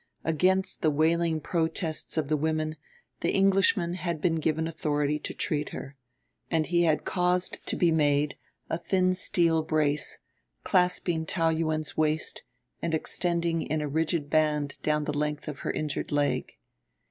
Against the wailing protests of the women the Englishman had been given authority to treat her; and he had caused to be made a thin steel brace, clasping Taou Yuen's waist and extending in a rigid band down the length of her injured leg.